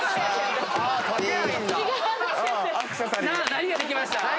何ができました？